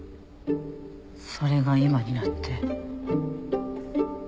それが今になって。